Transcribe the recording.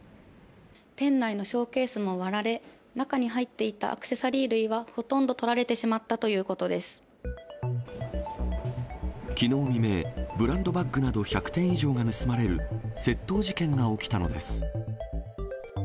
店内のショーケースも割られ、中に入っていたアクセサリー類は、ほとんどとられてしまったというきのう未明、ブランドバッグなど１００点以上が盗まれる窃盗事件が起きたのです。